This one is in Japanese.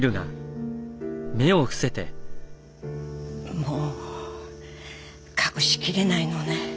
もう隠しきれないのね。